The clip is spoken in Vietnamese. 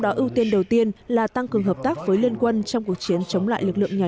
đó ưu tiên đầu tiên là tăng cường hợp tác với liên quân trong cuộc chiến chống lại lực lượng nhà